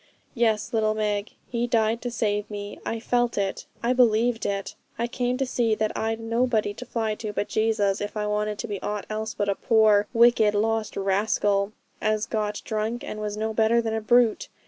Yes, little Meg, He died to save me. I felt it. I believed it. I came to see that I'd nobody to fly to but Jesus if I wanted to be aught else but a poor, wicked, lost rascal, as got drunk, and was no better than a brute.